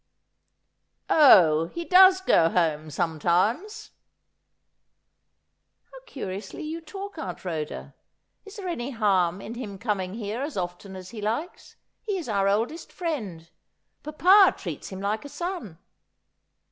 ' Oh, he does go home sometimes ?'' How curiously you talk. Aunt Rhoda. Is there any harm in his coming here as often as he likes ? He is our oldest friend. Papa treats him like a son.'